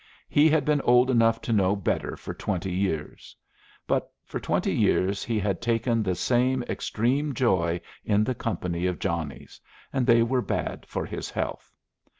He had been old enough to know better for twenty years. But for twenty years he had taken the same extreme joy in the company of Johnnies, and they were bad for his health.